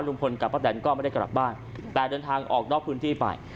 ลุงพลกับป้าแตนก็ไม่ได้กลับบ้านแต่เดินทางออกนอกพื้นที่ไป